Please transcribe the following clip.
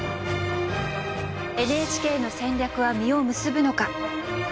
ＮＨＫの戦略は実を結ぶのか？